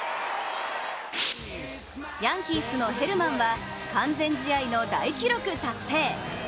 ヤンキースのヘルマンは完全試合の大記録達成。